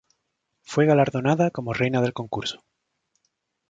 Fue galardonada como reina del concurso.